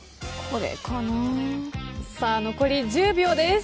残り１０秒です。